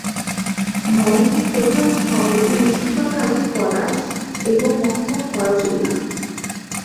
ভবনটি প্রধান স্থপতি মুস্তাফা খালিদ পলাশ এবং মোহাম্মদ ফয়েজ উল্লাহ।